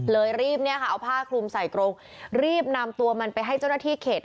เลยรีบเอาผ้าคลุมใส่กรงรีบนำตัวมันไปให้เจ้าหน้าที่เข็ด